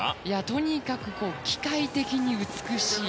とにかく機械的に美しい。